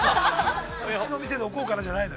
うちの店で置こうかなじゃないの。